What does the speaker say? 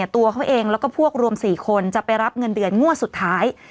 ตัวเขาเองแล้วก็พวกรวม๔คนจะไปรับเงินเดือนงวดสุดท้าย